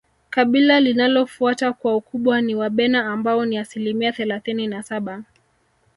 Kabila linalofuata kwa ukubwa ni Wabena ambao ni asilimia thelathini na saba